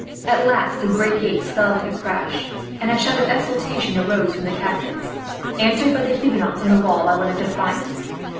At last the great gates fell with a crash, and a shout of exultation arose from the Catholics; answered, by the Huguenots on the wall, by one of defiance.